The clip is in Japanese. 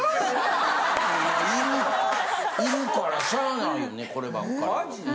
いるからしゃないよねこればっかりは。